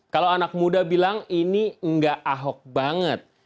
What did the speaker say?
kalau anak muda bilang ini enggak ahok banget